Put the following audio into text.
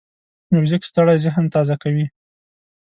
موزیک ستړی ذهن تازه کوي.